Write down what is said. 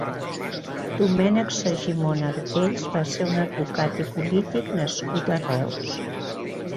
Domènec Segimon Artells va ser un advocat i polític nascut a Reus.